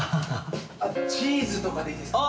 チーズとかでいいですか？